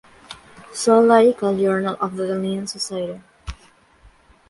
Zoological Journal of the Linnean Society.